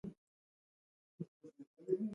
د مکروبونو د مقاومت سبب ګرځي.